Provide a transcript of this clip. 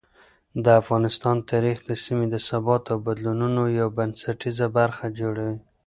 د افغانستان تاریخ د سیمې د ثبات او بدلونونو یو بنسټیزه برخه جوړوي.